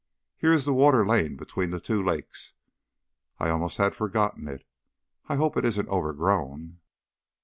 Here is the water lane between the two lakes. I almost had forgotten it. I hope it isn't overgrown."